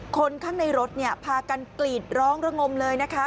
คนข้างในรถพากันกรีดร้องระงมเลยนะคะ